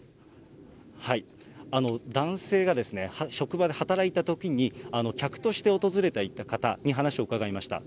男性が職場で働いたときに、客として訪れていた方に話を伺いました。